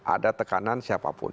ada tekanan siapapun